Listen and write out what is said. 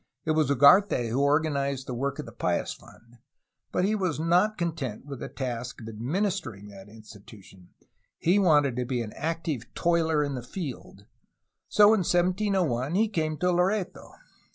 It was Ugarte who organized the work of the Pious Fund, but he was not content with the task of ad ministering that institution; he wanted to be an active toiler in the field. So in 1701 he came to Loreto.